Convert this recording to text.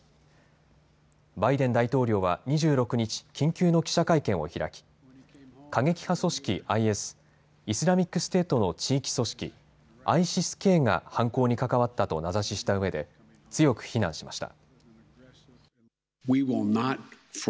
バイデン大統領は２６日緊急の記者会見を開き過激派組織ＩＳ・イスラミックステートの地域組織、ＩＳＩＳーＫが犯行に関わったと名指ししたうえで強く非難しました。